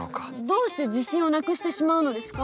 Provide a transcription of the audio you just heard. どうして自信をなくしてしまうのですか？